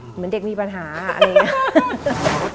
เหมือนเด็กมีปัญหาอะไรอย่างนี้